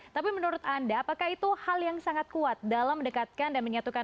tapi menurut anda apakah itu hal yang sangat kuat dalam mendekatkan dan menyatukan